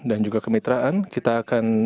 dan juga kemitraan kita akan